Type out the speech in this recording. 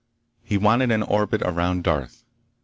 He wanted an orbit around Darth.